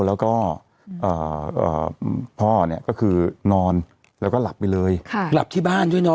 แล้วก็พ่อเนี่ยก็คือนอนแล้วก็หลับไปเลยหลับที่บ้านด้วยเนาะ